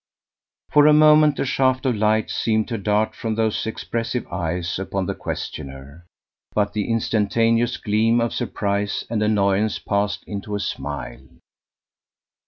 For a moment a shaft of light seemed to dart from those expressive eyes upon the questioner, but the instantaneous gleam of surprise and annoyance passed into a smile.